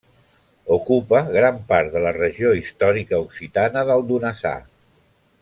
Ocupa gran part de la regió històrica occitana del Donasà.